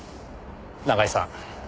永井さん